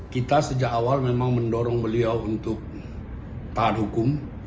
kita sejak awal memang mendorong beliau untuk taat hukum